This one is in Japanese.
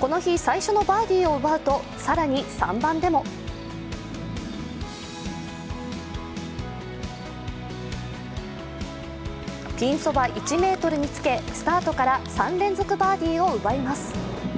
この日最初のバーディーを奪うと更に３番でもピンそば１ｍにつけ、スタートから３連続バーディーを奪います。